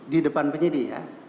di depan penyidik